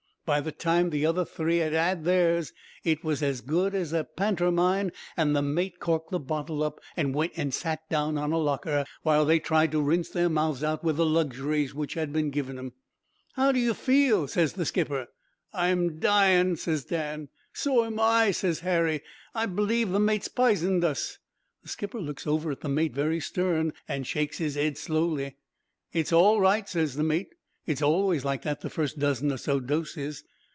"By the time the other three 'ad 'ad theirs it was as good as a pantermine, an' the mate corked the bottle up, and went an' sat down on a locker while they tried to rinse their mouths out with the luxuries which had been given 'em. "'How do you feel?' ses the skipper. "'I'm dying,' ses Dan. "'So'm I,' ses Harry; 'I b'leeve the mate's pisoned us.' "The skipper looks over at the mate very stern an' shakes his 'ed slowly. "'It's all right,' ses the mate. 'It's always like that the first dozen or so doses.'